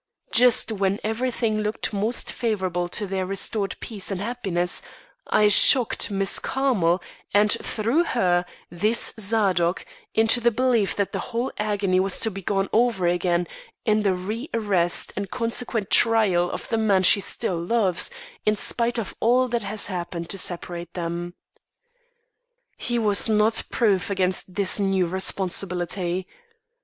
"Just when everything looked most favourable to their restored peace and happiness, I shocked Miss Carmel and, through her, this Zadok, into the belief that the whole agony was to be gone over again, in the rearrest and consequent trial of the man she still loves, in spite of all that has happened to separate them. "He was not proof against this new responsibility.